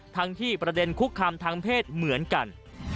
ทั้งที่ประเด็นคุกคามทางเพศเหมือนกัน